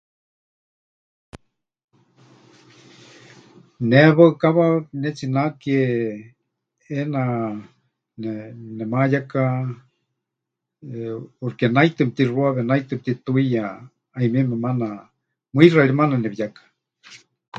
Ne waɨkawa pɨnetsinake ʼeena nemayéka porque, naitɨ mɨtixuawe, naitɨ mɨtituiya, ˀayumieme maana, mɨixa ri maana nepɨyéka.